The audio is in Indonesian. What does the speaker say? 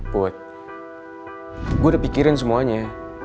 put gue udah pikirin semuanya